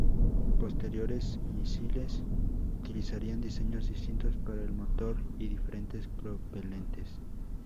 Posteriores misiles utilizarían diseños distintos para el motor y diferentes propelentes.